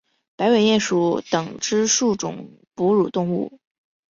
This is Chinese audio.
白尾鼹属等之数种哺乳动物。